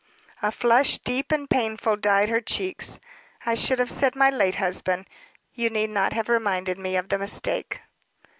A flush, deep and painful, dyed her cheeks. "I should have said my late husband. You need not have reminded me of the mistake."